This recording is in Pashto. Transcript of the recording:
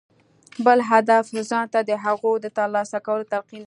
بل هدف ځان ته د هغو د ترلاسه کولو تلقين دی.